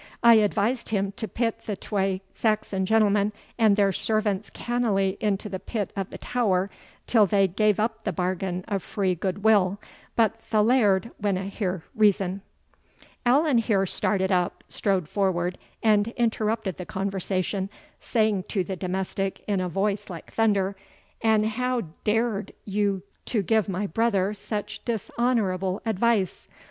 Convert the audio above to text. I advised him to pit the twa Saxon gentlemen and their servants cannily into the pit o' the tower till they gae up the bagain o' free gude will, but the Laird winna hear reason." Allan here started up, strode forward, and interrupted the conversation, saying to the domestic in a voice like thunder, "And how dared you to give my brother such dishonourable advice?